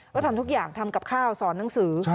แล้วทำทุกอย่างทำกับข้าวสอนหนังสือ